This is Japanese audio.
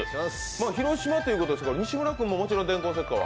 広島ということですけど西村君ももちろん電光石火は。